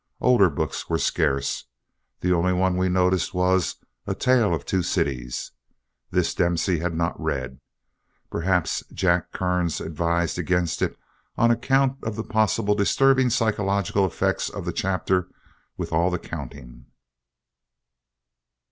Older books were scarce. The only one we noticed was "A Tale of Two Cities." This Dempsey had not read. Perhaps Jack Kearns advised against it on account of the possible disturbing psychological effects of the chapter with all the counting.